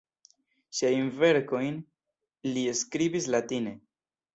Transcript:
Siajn verkojn li skribis latine.